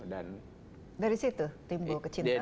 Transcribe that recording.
dari situ timbul kecintaan